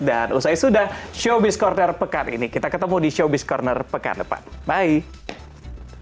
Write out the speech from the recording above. dan usai sudah showbiz corner pekan ini kita ketemu di showbiz corner pekan depan bye